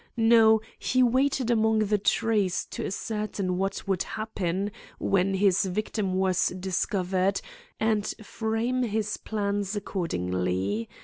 No; he waited among the trees to ascertain what would happen when his victim was discovered, and frame his plans accordingly.